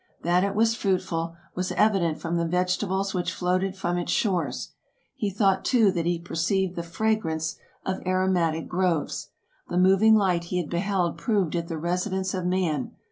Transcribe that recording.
That it was fruitful, was evident from the vegetables which floated from its shores. He thought, too, that he perceived the fragrance of aromatic groves. The moving light he had beheld proved it the residence of man.